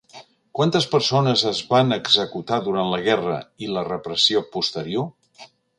Quantes persones es van executar durant la guerra i la repressió posterior?